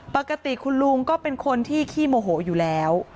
ปกติคุณลุงก็เป็นคนที่ขี้โมโหอยู่แล้ว